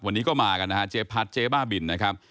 วันนี้ก็มากันนะฮะเจ๊พัดเจ๊บ้าบินนะครับ